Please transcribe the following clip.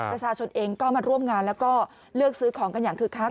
ประชาชนเองก็มาร่วมงานแล้วก็เลือกซื้อของกันอย่างคึกคัก